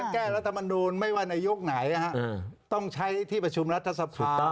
แก้รัฐมนูลไม่ว่าในยุคไหนต้องใช้ที่ประชุมรัฐสภา